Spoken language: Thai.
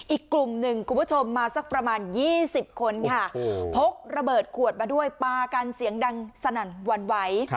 อีกกลุ่มหนึ่งคุณผู้ชมมาสักประมาณ๒๐คนค่ะพกระเบิดขวดมาด้วยปากันเสียงดังสนั่นหวั่นไหว